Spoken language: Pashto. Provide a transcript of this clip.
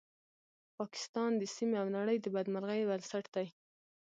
پاکستان د سیمې او نړۍ د بدمرغۍ بنسټ دی